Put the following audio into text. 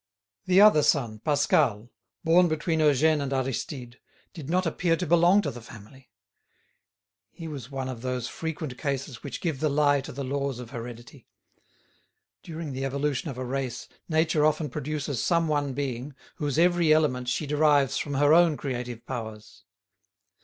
The other son, Pascal, born between Eugène and Aristide, did not appear to belong to the family. He was one of those frequent cases which give the lie to the laws of heredity. During the evolution of a race nature often produces some one being whose every element she derives from her own creative powers.